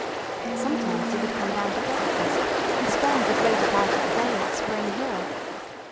Sometimes he would come down to breakfast, and spend the greater part of the day at Spring Hill.